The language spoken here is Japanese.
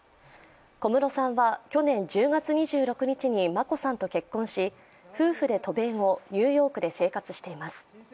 小室さんは去年１０月２６日に眞子さんと結婚し夫婦で渡米後、ニューヨークで生活しています。